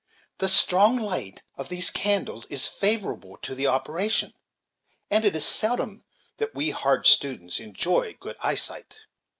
"The strong light of these candles is favorable to the operation, and it is seldom that we hard students enjoy good eyesight."